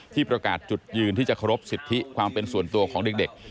ประกาศจุดยืนที่จะเคารพสิทธิความเป็นส่วนตัวของเด็ก